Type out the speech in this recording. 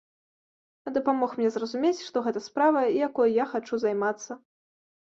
Дапамог мне зразумець, што гэта справа, якой я хачу займацца.